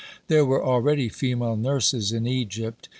There were already female nurses in Egypt.